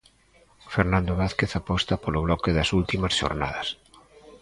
Fernando Vázquez aposta polo bloque das últimas xornadas.